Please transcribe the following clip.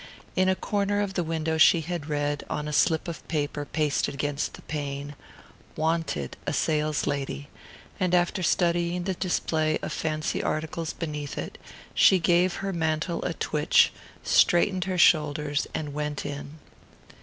In a corner of the window she had read, on a slip of paper pasted against the pane: "Wanted, a Saleslady," and after studying the display of fancy articles beneath it, she gave her mantle a twitch, straightened her shoulders and went in.